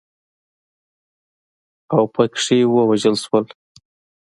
اوپکي ووژل شول.